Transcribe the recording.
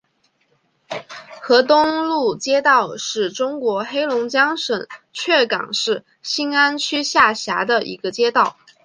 河东路街道是中国黑龙江省鹤岗市兴安区下辖的一个街道。